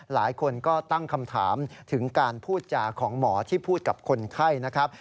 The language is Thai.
หลายคนก็ตั้งคำถามถึงการพูดจาของหมอที่พูดกับคนไข้นะครับ